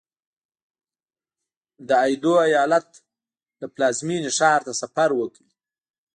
د ایدو ایالت له پلازمېنې ښار ته سفر وکړ.